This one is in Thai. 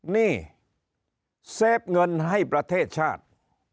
นี่เซฟเงินให้ประเทศชาติ